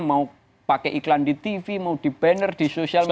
mau pakai iklan di tv mau di banner di sosial media